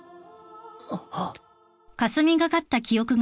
あっ。